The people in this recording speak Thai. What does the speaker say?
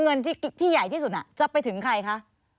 เงินที่ใหญ่ที่สุดจะไปถึงใครคะ